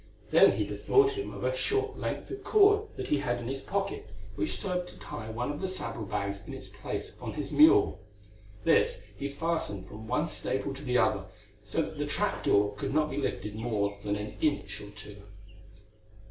Then he bethought him of a short length of cord that he had in his pocket, which served to tie one of the saddle bags in its place on his mule. This he fastened from one staple to the other, so that the trap door could not be lifted more than an inch or two.